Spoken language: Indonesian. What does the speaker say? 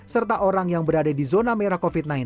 serta orang yang berada di zona merah covid sembilan belas